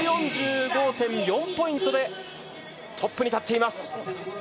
１４５．４ポイントでトップに立っています。